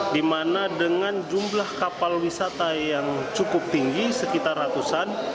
di mana dengan jumlah kapal wisata yang cukup tinggi sekitar ratusan